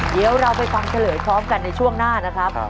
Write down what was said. เดี๋ยวเราไปฟังเฉลยพร้อมกันในช่วงหน้านะครับ